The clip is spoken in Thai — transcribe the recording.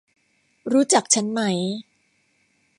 รู้จักฉันไหม ?